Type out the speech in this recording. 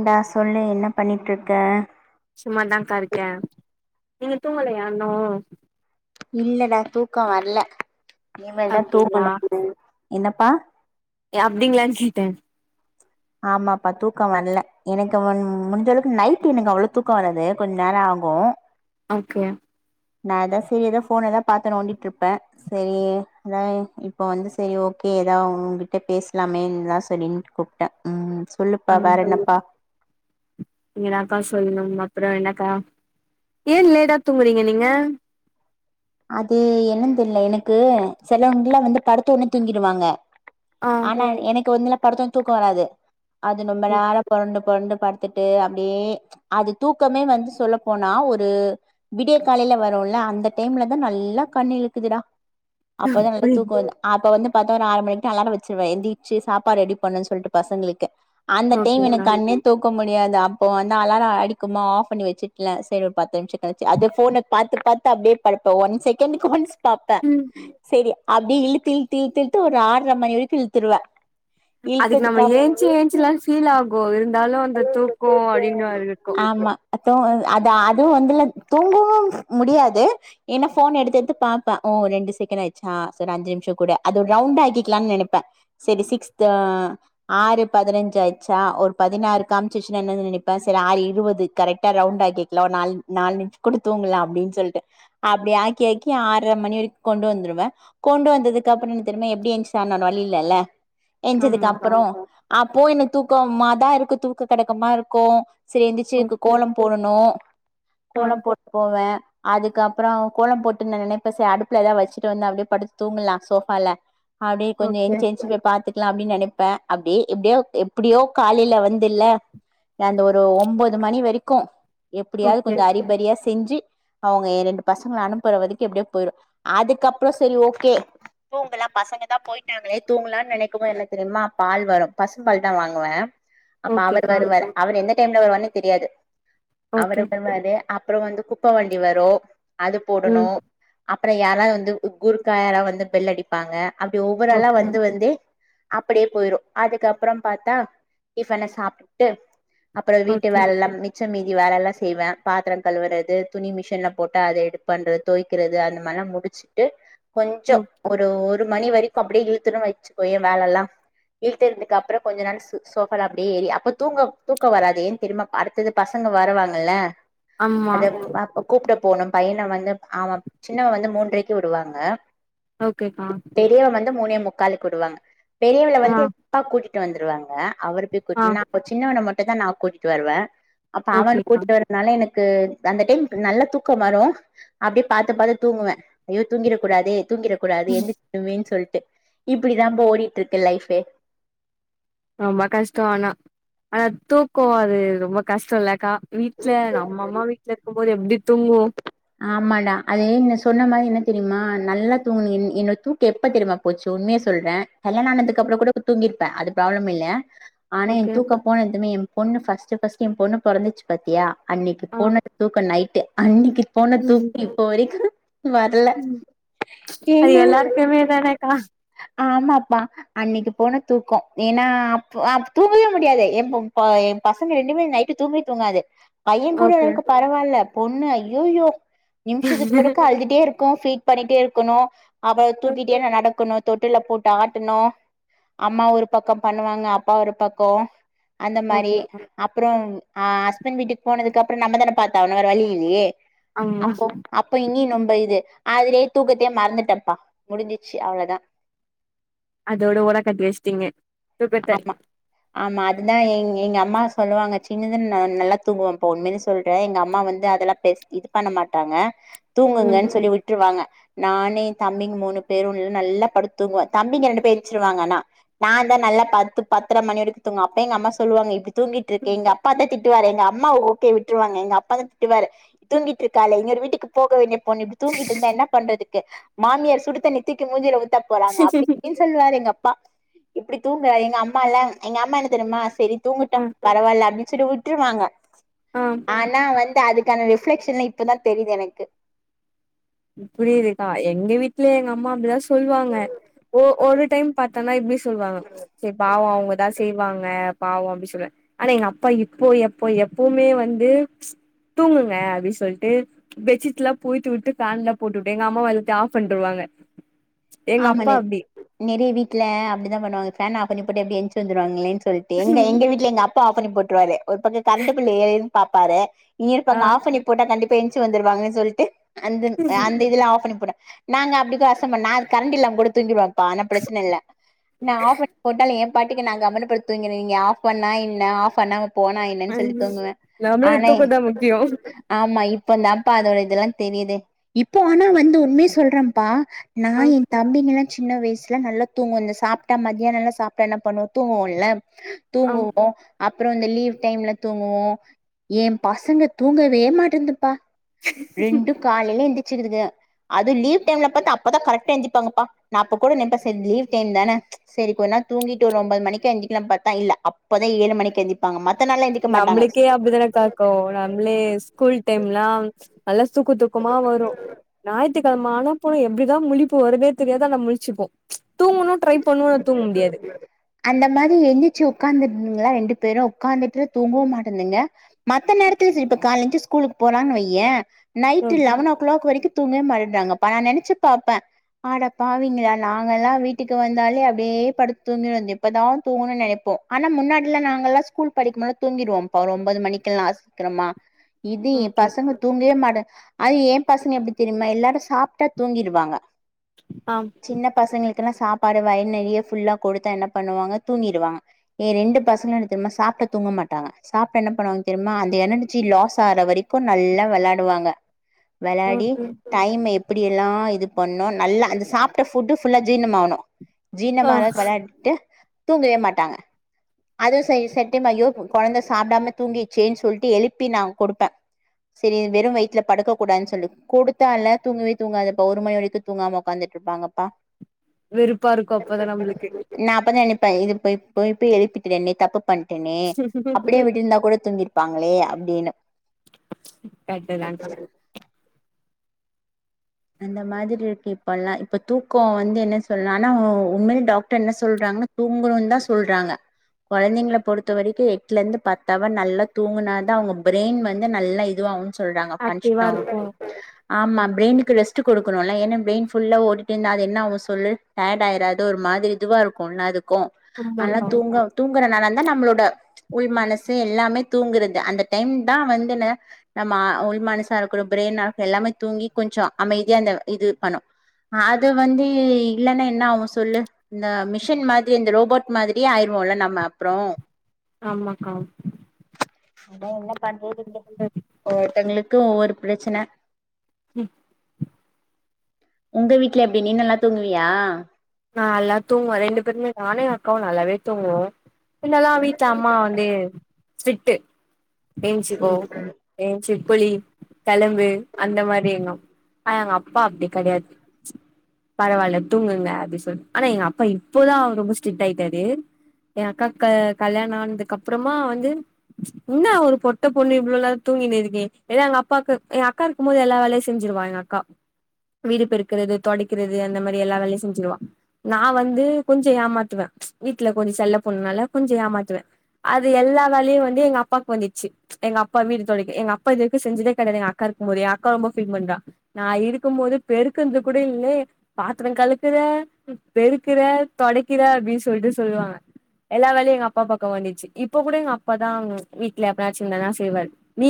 ந்தா சொல்லு என்ன பண்னிட்ருக்க சும்மாதாங்கா இருக்க நீங்க தூங்கலயா இன்னு இல்லடா தூக்க வர்ல இனிமேல் தா அப்டிங்களா தூக்கணு ம் என்னப்பா ஏ அப்டிங்ளான் கேட்ட ஆமாப்பா தூக்க வல்ல எனக்கு முடிஞ்ச அளவுக்கு நைட்டு எனக்கு அவ்ளோ தூக்க வராது கொஞ் நேர ஆகு ஓகே நா ஏதா சரி ஏதா ஃபோன தா பாத்து நொடிட்ருப்ப சரி அதா இப்போ வந்து சரி ஓகே ஏதா உங்கிட்ட பேசலாமே தா சரின்ட்டு கூப் ட்ட ம் சொல்லுப்பா வேற என்னப்பா நீங்க தாங்க்கா சொல்ணு அப்றோ என்னக்கா ஏன் லேட்டா தூங்குறீங்க நீங்க அது என்னன் தெர்ல எனக்கு செலங்குல வந்து படுத்த ஒடனே தூங்கிடுவாங்க ஆ ஆனா எனக்கு வந்துலா படத்தோன் தூக்க வராது அது நொம்ப ஓகே நேர பொரண்டு பொரண்டு படுத்துட்டு அப்டியே அது தூக்கமே வந்து சொல்ல போனா ஒரு விடிய காலைல வருல்ல அந்த டைம்ல தா நல்லா கண்ணு இழுக்குதுடா அப்பதா வேற அப்படி தூக்க வர்ல அப்ப வந்து பாத்தா ஒரு ஆறு மணிட்ட அலார வச்சிருவ எந்திச்சு சாப்பாட் ரெடி பண்ணு சொல்ட்டு பசங்களுக்கு அந்த டைம் ஓகேக்கா எனக் கண்ணு தூக்க முடியாது அப்போ வந்து அலார அடிக்குமா ஆஃப் பண்ணி வச்சிட்ல சரி ஒரு பத்து நிமிஷ கழச்சு அது ஃபோன பாத்து பாத்து அப்டியே படிப்ப ஒன் செகண்டுக்கு ஒன்ஸ் பாப்ப ம் செரி அப்டி இழுத்து இழுத்து இழுத்து இழுத்து ஒரு ஆற்ர மணி வரைக்கு இழுத்துருவ அதுக்கு நம்ம ஏன்ச்சி ஏன்ச்சிலா ஃபீல் ஆகு இருந்தாலு அந்த தூக்கோ அப்டினு வேரருக்கு அத்து அத அதுவு வந்துல தூங்கவு முடியாது ஏனா ஃபோன் எடுத்து எடுத்து பாப்ப ஓ ரெண்டு செகண்ட் ஆயிட்ச்சா சரி அஞ்சு நிமிஷ கூடு அது ஒரு ரவுண்டா ஆக்கிக்லான் நெனப்ப சரி சிக்ஸ்த ஆறு பதினஞ் ஆய்ச்சா ஒரு பதினாறு காம்ச்சிச்சுன்னா என்ன நெனப்ப சரி ஆறு இருவது கரெக்டா ரவுண்டாக்க்லா நாலு நாலு நிமிஷோ குட தூங்லா அப்டின் சொல்ட்டு அப்டி ஆக்கி ஆக்கி ஆற்ர மணி வரைக் கொண்டு வந்துருவ கொண்டு வந்ததுக்கப்றோ திரும்ப எப்டி ஏன்ச்சி ஆணு வேற வழி இல்லல்ல ஆமாக்கா ஏனச்சதுக்கப்றோ அப்போவு இன்னு தூக்கோமாதா இருக்கு தூக்க கடக்கமா இருக்கு சரி எந்திச்சி க்கு ஓகே கோலோ போடனோ ஆ கோலோ போட்டு போவ அதுக்கப்றோ கோலோ போட்டு நா நெனப்ப ச அடுப்புல ஏதா வெச்சுட்டு வந்து அப்டியே படுத்து தூங்கலா சோஃபால அப்டியே கொஞ்சோ ஓகே ஏன்ச்சி ஏன்ச்சி போய் பாத்துக்கலா அப்டின் அப்டி எப்டியோ எப்பிடியோ காலைல வந் இல்ல அந்த ஒரு ஒம்போது மணி வரிக்கு எப்டியாது ஓகே கொஞ்ச அரிபரியா செ செஞ்சி அவுங்க ஏ ரெண்டு பசங்கள அனுப்புற வரைக்கு எப்டியோ போயிடு அதுக்கப்றோ சரி ஓகே தூங்கலா பசங்க தா போயிட்டாங்ளே தூங்கலா பசங்கதா போய்டாங்ளே தூங்களா நெனக்கு போது என்ன தெரிமா பால் வரு பசும் பால் தா வாங்குவ அப்ப அவர் ஓகேக்கா வருவாரு அவர் எந்த டைம்ல வருவாருன்னே தெரியாது ஓகே அவரு வருவாரு அப் அப்றோ வந்து குப்ப வண்டி வரு அது போடனு ம் அப்ற யாராது வந்து கூர்க்கா யாரா வந்து பெல் அடிப்பாங்க அப்டி ஒவ்வொரு ஆள்ளா ஓகே வந்து வந்தே அப்டியே போயிரு அதுக்கப்பறோ பாத்தா டிஃபன சாப்ட்டுட்டு அப்ற வீட்டு ஓகே வேலல்லா ச்ச மீதி வேலல்லா செய்வ பாத்ர கழுவுறது துணி மிஷின்ல போட்டா அத எடுப் பண்ற தொவைய்க்கிறது அந்த மாரிலா முடிச்சு ட்டு கொஞ்சோ ம் ஒரு ஒரு மணி வரைக்கு அப்டியே இழுத்துரு வச்சுக்கோயேன் வேலல்லா இழுத்ததுக்கப்றோ கொஞ்ச நேர சோபால அப்டி ஏறி அப்ப தூங்க தூக்கோ வராது ஏ தெரியும்மா அடுத்தது பசங்க வரவாங்கல்ல ஆமா அது அப்பக் கூப்ட போனோ பையன வந்து அவ சின்னவ வந்து மூண்ட்ரைக்கு விடுவாங்க ஓகேக்கா பெரியவள வந்து மூணே முக்காலுக்கு விடுவாங்க பெரியவள ஆ வந்து எ அப்பா கூட்டிட்டு வந்துருவாங்க அவரு போய் ஆ கூட்னு நா அப்ப சின்னவன மட்டு தா நா கூட்டிட்டு வருவ அப்ப அவன ஓகேக்கா கூட்டிட்டு வர அதுன்னால எனக்கு அந்த டைம் நல்ல தூக்கம் வரு அப்டியே பாத்து பாத்து தூங்குவ ஐயோ தூங்கிரக் கூடாதே தூங்கிரக் கூடாதே [inaudible] சொல்ட்டு இப்டிதாப்பா ஓடிட்ருக்கு லைஃப்பே ரொம்ப கஷ்ட்டோ ஆனா ஆனா தூக்கோ அது ரொம்ப கஷ்ட்டோ இல்லக்கா வீட்ல நம்ம அம்மா வீட்ல இருக்கு போது எப்டி தூங்குவோ ஆமாடா அது நீ சொன்ன மாரி என்ன தெரியுமா நல்லா தூங்கனி எ என்னோ தூக்கோ எப்ப தெரியுமா போச்சு உண்மய சொல்றே கல்யாண ஆனதுக்கு அப்றோ கூட தூங்கிருப்ப அது ப்ராப்ளம் இல்ல ஆனா எ ஓகே தூக்கோ போனதுமே எ பொண்ணு ஃபஸ்ட்டு ஃபஸ்ட்டு எ பொண்ணு பொறந்துச்சு பாத்தியா அன்னைக்கு ஆ போனது தூக்கோ நைட்டு அன்னிக்கி போன தூக்கோ இப்போ வரைக்கு வர்ல அது ஏனா எல்லாருக்குமே தானேக்கா ஆமாப்பா அன்னைக்கிப் போன தூக்கோ ஏன்னா அப் அப்போ தூங்கவே முடியாது எப்பப்பா எப் பசங்க ரெண்டுமே நைட்டு் தூங்கவே தூங்காது பையங் கூட ஓர் ஓகே அளவுக்கு பரவாயில்ல பொண்ணு ஐயோயோ நிமிஷத்துக்கு ஒருக்கா அழுதுட்டே இரு க்கோ ஃபீட் பண்ணிட்டே இருக்கனோ அப்றோ தூக்கிட்டே நா நடக்கனோ தொட்டில்ல போட்டு ஆட்டனோ அம்மா ஒரு பக்கோ பண்ணுவாங்க அப்பா ஒரு பக்கோ அந்த மாரி ஓகேக்கா அப்றோ அ ஹஸ்பண்ட் வீட்டுக்கு போனதுக்கப்றோ நம்ம தான பாத்தாவனோ வேற வழியில்லயே அம்மா அப்ப இனி நொம்ப இது அதலயே தூக்கத்தயே மறந்துட்டப்பா முடிஞ்சிச்சு அவ்ளதா அதோட ஓரங்கட்டி வச்ட்டிங்க தூக்கத்த ஆமா அதுதா எ எங்க அம்மா சொல்லுவாங்க சின்னத நல்லா தூங்குவம்போ உண்மயில சொல்றே எங்க அம்மா வந்து அதெல்லா பே இது பண்ண மாட்டாங்க ம் தூங்குங்கன்னு சொல்லி விட்டுருவாங்க நானே எ தம்பிங்க மூணு பேரு நல்லா படுத்து தூங்குவோ தம்பிங்க ரெண்டு பேர் எந்திருச்சிருவாங்க ஆனா நா தா நல்லா பத்து பத்தரை மணி வரைக்கு தூங்க அப்பயே எங்க அம்மா சொல்லுவாங்க இப்டி தூங்கிட்டு இருக்கே எங்க அப்பா தா திட் திட்டுவாரு எங்க அம்மா ஓகே விட்டுருவாங்க எங்க அப்பா தா திட்டுவாரு தூங்கிட்டு இருக்காலே இன்னொரு வீட்டுக்கு போக வேண்டிய பொண்ணு இப்டி தூங்கிட்டு இருந்தா என்ன பண்றதுக்கு மாமியார் சுடுதண்ணி தூக்கி மூஞ்சுல ஊத்த போறாங்க அப்டி இப்டின்னு சொல்லுவார் எங்க அப்பா இப்டி தூங்குறா எங்க அம்மா எல்லா எங்க அம்மா என்ன தெரியுமா சரி தூங்கட்டு ஆ பரவாயில்ல அப்டின்னு சொல்லி விட்டுருவாங்க ஆம் ஆனா வந்து அதுக்கு அதுக்கான ரிஃப்ளெக்ஷன்ல இப்பதா தெரிது எனக்கு இப்டி இருக்கா எங்க வீட்டுல எங்க அம்மா அப்டிதா சொல்லுவாங்க ஒ ஒரு டைம் பா [unintelligible] இப்டி சொல்லுவாங்க சரி பாவம் அவங்கதான் செய்வாங்க பாவம் அப்டி சொல்லுவே ஆனா எங்க அப்பா இப்போ எப்போ எப்பவுமே வந்து தூங்குங்க அப்டி சொல்லிட்டு பெட்ஷீட்ல்லா போத்தி விட்டு பேன்லா போட்டு விட்டு எங்க அம்மா வந்துட்டு ஆப் பண்ருவாங்க எங்க ஆமா அப்பா அப்டி நெறைய வீட்டுல அப்டிதா பண்ணுவாங்கஃபேன் ஆப் பண்ணி போட்டா எப்டி எந்துச்சு வந்துருவாங்களேன்னு சொல்லிட்டு எங்க எங்க வீட்டுல எங்க அப்பா ஆஃப் பண்ணி போட்டுருவாரு ஒரு பக்கம் கரண்டு பில் ஏறிருன்னு பாப்பாரு ஆ [unintelligible] ஆப் பண்ணி போட்டா கண்டிப்பா எந்துச்சு வந்துருவாங்கன்னு சொல்லிட்டு அந்த அந்த இதுல ஆப் பண்ணி போட நாங்க அப்டி [unintelligible] பண்ண அ கரண்ட் இல்லாம கூட தூங்கிடுவேன்ப்பா ஆனா பிரச்சனை இல்ல நா ஆப் பண்ணி போட்டாலு என் பாட்டுக்கு நா கம்முனு படுத்து தூங்கிருவே நீங்க ஆப் பண்ணா என்ன ஆப் பண்ணாம போனா என்னன்னு சொல்லி தூங்குவே நம்மளுக்கு ஆன தூக்கந்தா முக்கியோ ஆமா இப்ப தாம்ப்பா அதோட இதெல்லா தெரியுது இப்போ ஆனா வந்து உண்மையே சொல்றம்ப்பா நா ஆ என் தம்பிங்கல்லா சின்ன வயசுல நல்லா தூங்கு இந்த சாப்ட்டா மதியானோலா சாப்ட்டா என்ன பண்ணுவோ தூங்குவோம்ல ஆம் தூங்குவோ அப்புற இந்த லீவ் டைம்ஸ் தூங்குவோ ஏ பசங்க தூங்கவே மாட்டேந்துப்பா ரெண்டு காலையில எந்திருச்சுதுங்க அது லீவ் டைம்ல பாத்தா அப்பதா கரெட்டா எந்திரி ப்பாங்கப்பா நா அப்ப கூட நெனப்ப செரி லீவ் டைம் தானே செரி கொஞ்ச நேர தூங்கிட்டு ஒரு ஒம்போது மணிக்கா எந்துரிக்கலாம் பாத்தா இல்ல அப்பதா ஏழு மணிக்கு எந்திரி ப்பாங்க மத்த நாள்லா எந்திக்க மாட்டாங்க கோ நம்மளே ஸ்கூல் டைம்லா நல்லா தூக்க தூக்கமா வரு‌ ஞாயித் துக்கெழம ஆனா போனு எப்டிதா முழிப்பு வருன்னே தெரியாது ஆனா முழிச்சுப்போ தூங்கணு ட்ரை பண்ணுவோ ஆனா தூங்க முடியாது அந்த மாரி எந்துரிச்சு உக்காந்துருதுங்களா ரெண்டு பேரு உக்காந்துட்டு தூங்கவு மாட்டேந்துங்க மத்த நேரத்துல சரி இப்ப கால ஏஞ்சி ஸ்கூலுக்கு போலான்னு வைய night okay eleven o'clock வரைக்கு தூங்க மாரிட்றாங்கப்பா நா நெனைச்சு பாப்ப அடப்பாவிங்களா நாங்கல்லா வீட் டுக்கு வந்தாலே அப்டே படுத் தூங்கிடு இப்பதா தூங்கும் நெனைப்போ ஆனா முன்னாடிலா நாங்கல்லா ஸ்கூல் படிக்கும்போது தூங்கிருவோம்ப்பா ஒரு ஒம்போது மணிக்கெல்லா சீக்கிரமா இது ஓகே பசங்க தூங்கவே மாட்டே அது ஏன் பசங்க எப்டி தெரியுமா எல்லாரு சாப்ட்டா தூங்கிருவாங்க ஆம் சின்ன பசங்களுக்கெல்லா சாப்பாடு வயிற் நெறைய ஃபுல்லா கொடுத்தா என்ன பண்ணுவாங்க தூங்கிருவாங்க ஏ ரெண்டு பசங்களு என்ன தெரியுமா சாப்ட்டா தூங்க மாட்டாங்க சாப்ட்டா என்ன பண்ணுவாங்க தெரியுமா அந்த எனர்ஜி லாஸ் ஆற வரைக்கு நல்லா வெளாடுவாங்க வெளாடி ஓகே டைம் எப்படி எல்லா இது பண்ணு நல்லா அந்த சாப்ட்ட ஃபுட்டு ஃபுல்லா ஜீர்ணமாணு ஆ ஜீர்ணமாகற அளவுக்கு வெளாடிட்டு தூங்கவே மாட்டாங்க அதோ செய் செல டைம் ஐயோ கொழந்தை சாப்டாம தூங்கிச்சேன்னு சொல்லிட்டு எழுப்பி நா குடுப்ப செரி வெறு வயித்துல படுக்க கூடான்னு சொல்லி குடுத்தால்ல தூங்கவே தூங்காதுப்பா ஒரு மணி வரைக்கு தூங்காம உக்காந்துட்ருப்பாங்கப்பா வெறுப்பா இருக்கு அப்பதா நம்மளுக்கு நா அப்ப தா நெனைப்ப இது போய் போய் போய் எழுப்பிட்டேனே தப்பு பணட்டேனே அப்டியே விட்டுருந்தா கூட தூங்கிருப்பாங்களே அப்டின்னு கரெட்டு தான்க்கா அந்த மாதிரி இருக்கு இப்பல்லா இப்ப தூக்க வந்து என்ன சொல்னாலு உண்மையிலே டாக்டர் என்ன சொல்றாங்கன்னா தூங்குணுன் தா சொல்றாங்க கொழந்தைங்கள பொறுத்த வரைக்கு எட்லேருந்து பத்து அவர் நல்லா தூங்குனா தா அவுங்க பிரைன் வந்து நல்லா இதுவாவுன் சொல்றாங்க ஆக்டிவா ஃபங்க்ஷனாவு இருக்கு ஆமா பிரைனுக் க்கு ரெஸ்ட்டு குடுக்கணுல ஏன்னா பக்ரைன் ஃபுல்லா ஓடிட்டே இருந்தா அது என்ன ஆவு சொல்லு டயர்ட் ஆயிறாது ஒரு மாதிரி இதுவாருக் குல்ல அதுக்கு அதனால தூங்க தூங்கறனால தா நம்மளோட உள் மனசு எல்லாமே தூங்குறது அந்த டைம் தா வந்துனு நம்ம ஆ உள் மனசா இருக்கணு பிரெயினா இருக்க எல்லாமே தூங்கி கொஞ்ச அமைதியா இந்த இது பண்ணு ஆ அது வந்து இல்லன்னா என்ன ஆவு சொல்லு இந்த மிஷின் மாதிரி இந்த ரோபோட் மாதிரியே ஆயிருவோல்ல நம்ம அப்புறோ ஆமாக்கா சும்மா என்ன பண்றதுக்கு அந்த ஒவ்வொருத்தங்களுக்கு ஒவ்வொரு பிரச்சன ம் உங்க வீட்ல எப்டி நீ நல்லா தூங்குவியா நான் நல்லா தூங்குவேன் ரெண்டு பேருமே நானு என் அக்காவும் நல்லாவே தூங்குவோ என்னல்லாம் வீட்ல அம்மா வந்து ஸ்ட்ரிக்ட் என்ச்சுக்கோ சேரி ஏ சிக்கோளி கலம்பு அந்த மாரி எங்க ஆனா எங்க அப்பா அப்டி கெடையாது பரவால்ல தூங்குங்க அப்டி சொ ஆனா எங்க அப்பா இப்போதான் அவுரு ரொம்ப ஸ்ட்ரிக்ட் ஆயிட்டாரு என் அக்கா க கல்யாணம் ஆனதுக்கு அப்பறமா வந்து என்ன ஒரு பொட்ட பொண்ணு இவ்ளோ நேர தூங்கினு இருக்கியே எல்லா எங்க அப்பாக்கு எங்க அக்கா இருக்கும் போது எல்லா வேலையும் செஞ்சுடுவா எங் க்கா வீடு பெருக்கிறது தொடைக்கிறது அந்த மாரி எல்லா வேலையும் செஞ்சுடுவா நா வந்து கொஞ்சம் ஏமாத்துவேன் வீட்ல கொஞ்சம் செல்ல பொண்ணுனால கொஞ்சம் ஏமாத்துவே அது எல்லா வேலயு வந்து எங்க அப்பாக்கு வந்துச்சு எங்க அப்பாமே இது துடைக்க எங்க அப்பா இதுவரைக்கு செஞ்சதே கெடயாது எங்க அக்கா இருக்கும் போதே என் அக்கா ரொம்ப ஃபீல் பண்றா நா இருக்கும் போது பெருக்கந்து கூட இல்ல பாத்திரம் கழுக்கற பெறுக்கற தொடைக்கிற அப்பிடின்னு சொல்ட்டு சொல்லுவாங்க எல்லா வேலையும் எங்க அப்பா பக்கம் வந்துச்சு இப்ப கூட எங்க அப்பா தான் வீட்ல எப்பனாச்சிருந்தனா செய்வாரு நீ